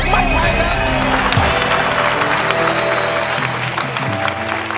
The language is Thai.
ไม่ใช้เลย